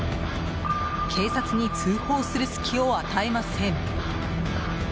警察に通報する隙を与えません。